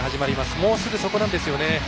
もう、すぐそこなんですよね。